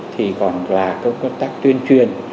thì còn là công tác tuyên truyền